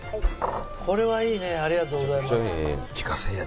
これはいいねありがとうございます。